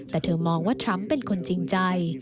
แต่เธอมองว่าทรัมป์เป็นคนจริงใจ